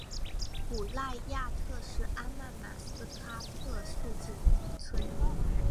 古赖亚特是阿曼马斯喀特附近的渔村。